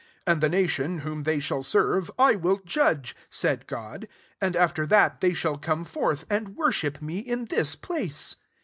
7 And the nation, whom they shall serve, I will judge, said God ; and after that they shall come forth, and worship me in this place.